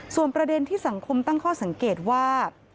ส่วนประเด็นที่สังคมตั้งข้อสังเกตว่า